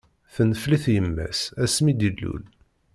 Tenfel-it yimma-s, asmi d-illul.